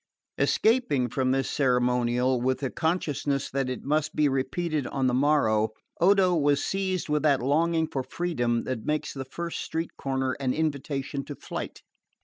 Escaping from this ceremonial, with the consciousness that it must be repeated on the morrow, Odo was seized with that longing for freedom that makes the first street corner an invitation to flight.